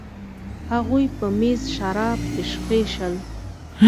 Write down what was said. هغوی په میز شراب ایشخېشل.